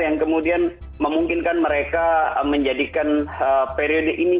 yang kemudian memungkinkan mereka menjadikan periode ini